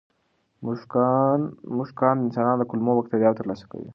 موږکان د انسان د کولمو بکتریاوو ترلاسه کوي.